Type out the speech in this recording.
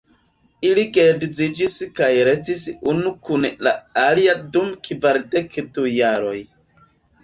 Ili geedziĝis kaj restis unu kun la alia dum kvardek-du jaroj.